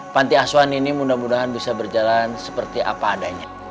panti asuhan ini mudah mudahan bisa berjalan seperti apa adanya